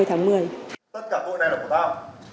tất cả tuổi này là của tao